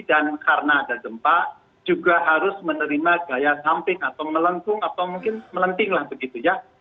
dan karena ada gempa juga harus menerima gaya samping atau melengkung atau mungkin melenting lah begitu ya